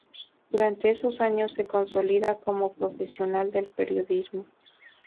Durante esos años se consolida como profesional del periodismo.